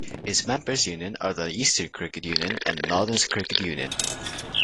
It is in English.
Its member unions are the Eastern Cricket Union and Northerns Cricket Union.